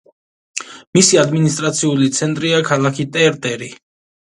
მისი ადმინისტრაციული ცენტრია ქალაქი ტერტერი.